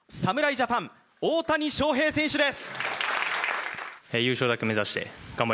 ジャパン大谷翔平選手です！